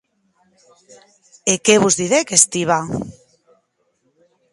E qué vos didec Stiva?